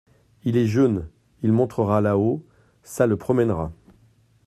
Il est jeune… il montera là-haut… ça le promènera.